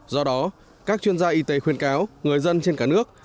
do đó các chuyên gia y tế khuyên cáo người dân trên cả nước